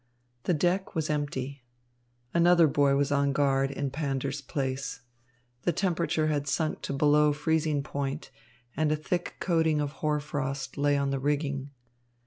The deck was empty. Another boy was on guard in Pander's place. The temperature had sunk to below freezing point, and a thick coating of hoar frost lay on the rigging.